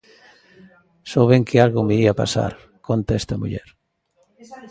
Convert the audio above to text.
Souben que algo me ía pasar, conta esta muller.